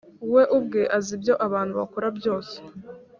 we ubwe azi ibyo abantu bakora byose